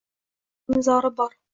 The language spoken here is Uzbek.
qoʼllarning zori bor